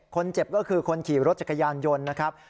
คนเจ็บก็คือคนขี่รถจักรยานยนต์นะครับ